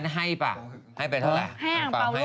มี่ได้ให้ป่ะให้ไปเท่าไร